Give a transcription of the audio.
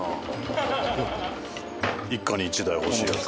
一家に１台欲しいやつ。